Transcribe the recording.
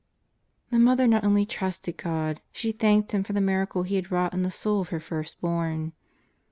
The mother not only trusted God, she thanked Him for the miracle He had wrought in the soul of her first born.